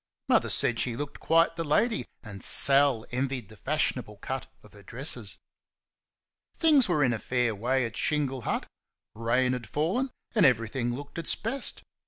Mother said she looked quite the lady, and Sal envied the fashionable cut of her dresses. Things were in a fair way at Shingle Hut; rain had fallen and everything looked its best.